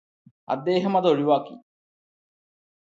അദ്ദേഹമത് ഒഴിവാക്കി